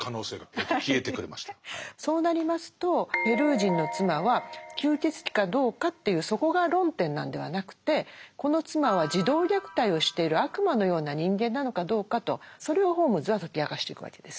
そうなりますとペルー人の妻は吸血鬼かどうかというそこが論点なんではなくてこの妻は児童虐待をしている悪魔のような人間なのかどうかとそれをホームズは解き明かしていくわけです。